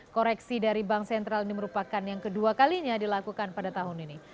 koreksi dari bank sentral ini merupakan yang kedua kalinya dilakukan pada tahun ini